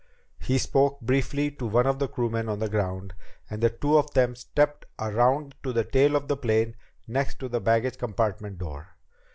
He spoke briefly to one of the crewmen on the ground, and the two of them stepped around to the tail of the plane, next to the baggage compartment door.